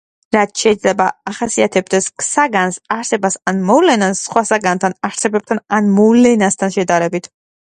რაც შეიძლება ახასიათებდეს საგანს, არსებას ან და მოვლენას სხვა საგანთან, არსებებთან ან მოვლენასთან შედარებით.